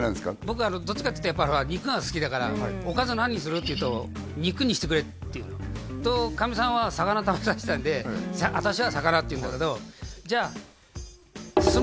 僕どっちかっていうとやっぱ肉が好きだから「おかずは何する？」って言うと「肉にしてくれ」って言うのとかみさんは魚食べさせたいんで「私は魚」って言うんだけどじゃあんっ？